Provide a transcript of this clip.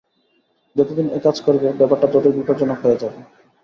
যতদিন একাজ করবে, ব্যাপারটা ততোই বিপজ্জনক হয়ে যাবে।